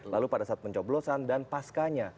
lalu pada saat pencoblosan dan pascanya